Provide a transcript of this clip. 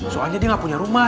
soalnya dia nggak punya rumah